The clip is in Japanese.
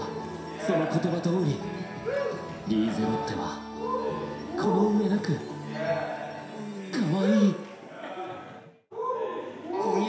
その言葉どおりリーゼロッテはこのうえなく痛ててっ。